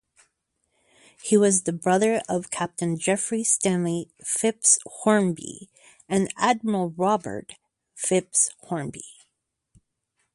He was the brother of Captain Geoffrey Stanley Phipps-Hornby and Admiral Robert Phipps Hornby.